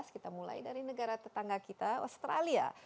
kita mulai dari negara tetangga kita australia